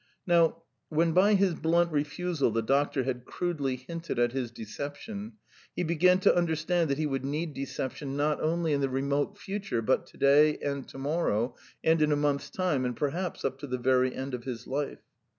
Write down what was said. Now when by his blunt refusal the doctor had crudely hinted at his deception, he began to understand that he would need deception not only in the remote future, but to day, and to morrow, and in a month's time, and perhaps up to the very end of his life.